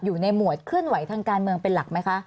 อยู่ในหมวดเคลื่อนไหวทางการเมืองเป็นหลักไหมคะ